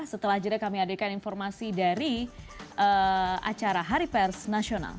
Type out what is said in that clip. setelah jeda kami hadirkan informasi dari acara hari pers nasional